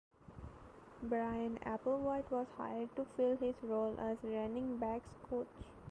Brian Applewhite was hired to fill his role as running backs coach.